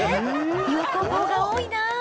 横棒が多いな。